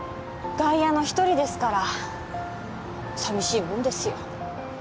外野の一人ですから寂しいもんですよ